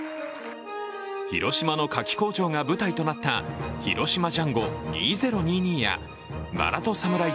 広島のかき工場が舞台となった「広島ジャンゴ２０２２」や「薔薇とサムライ